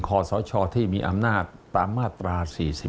ขอสชที่มีอำนาจตามมาตรา๔๔